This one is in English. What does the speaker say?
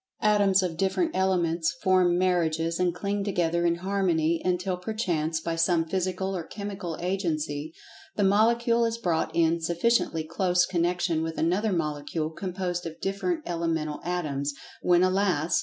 Atoms of different elements form marriages, and cling together in harmony, until, perchance, by some physical or chemical agency, the Molecule is brought in sufficiently close connection with another Molecule composed of different elemental atoms, when, alas!